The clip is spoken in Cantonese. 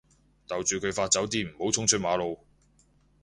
逗住佢發酒癲唔好衝出馬路